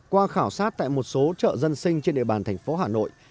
qua khảo sát tại một số chợ dân sinh trên địa bàn thành phố hà nội